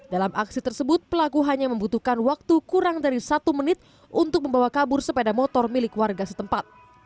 dalam aksi tersebut pelaku hanya membutuhkan waktu kurang dari satu menit untuk membawa kabur sepeda motor milik warga setempat